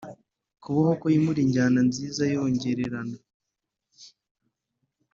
kuboha uko yimura injyana nziza yongorerana.